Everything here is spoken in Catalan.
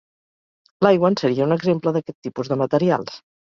L'aigua en seria un exemple d'aquest tipus de materials.